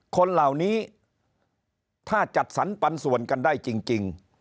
คนเหล่านี้ถ้าจัดสรรปันส่วนกันได้จริง